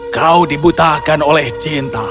kau dibutahkan oleh cinta